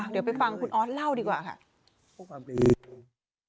เดี๋ยวไปฟังคุณออสเล่าดีกว่าค่ะ